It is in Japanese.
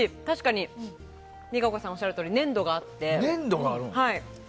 確かに、実可子さんがおっしゃるとおり粘度があって。